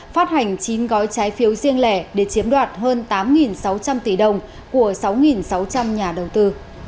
phát hành chín gói trái phiếu riêng lẻ để chiếm đoạt hơn tám sáu trăm linh tỷ đồng của sáu sáu trăm linh nhà đầu tư